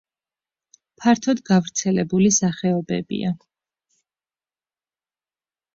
ფართოდ გავრცელებული სახეობებია.